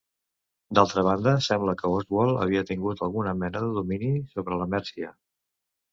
D’altra banda, sembla que Osvald havia tingut alguna mena de domini sobre la Mèrcia.